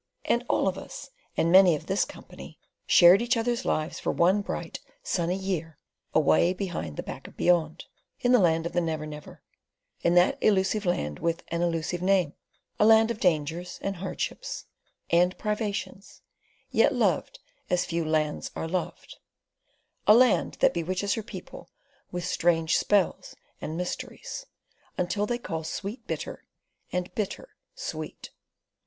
And All of Us, and many of this company, shared each other's lives for one bright, sunny year, away Behind the Back of Beyond, in the Land of the Never Never; in that elusive land with an elusive name—a land of dangers and hardships and privations yet loved as few lands are loved—a land that bewitches her people with strange spells and mysteries, until they call sweet bitter, and bitter sweet.